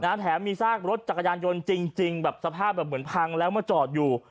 แถมมีซากรถจักรยานยนต์จริงจริงแบบสภาพแบบเหมือนพังแล้วมาจอดอยู่